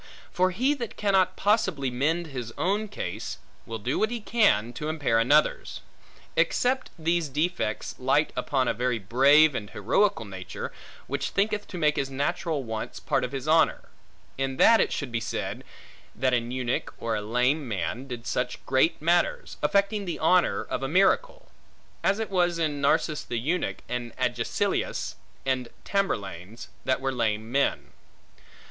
For he that cannot possibly mend his own case, will do what he can, to impair another's; except these defects light upon a very brave, and heroical nature, which thinketh to make his natural wants part of his honor; in that it should be said, that an eunuch, or a lame man, did such great matters; affecting the honor of a miracle; as it was in Narses the eunuch, and Agesilaus and Tamberlanes, that were lame men.